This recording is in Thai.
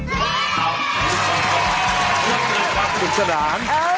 ขอบคุณสนาน